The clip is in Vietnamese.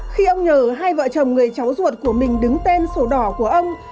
khi ông nhờ hai vợ chồng người cháu ruột của mình đứng tên sổ đỏ của ông